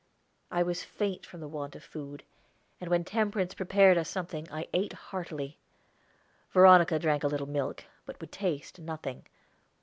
I was faint from the want of food, and when Temperance prepared us something I ate heartily. Veronica drank a little milk, but would taste nothing.